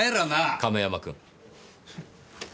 亀山君。